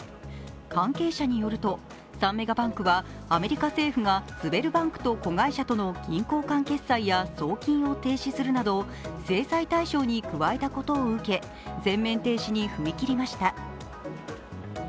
関係者によると、３メガバンクはアメリカ政府がズベルバンクと子会社との銀行間決済や送金を停止するなど制裁対象に加えたことを受け全面停止に踏み切りました。